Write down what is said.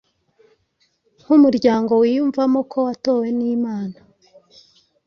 nk‟umuryango wiyumvamo ko watowe n‟Imana